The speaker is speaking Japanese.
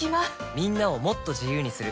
みんなをもっと自由にする「三菱冷蔵庫」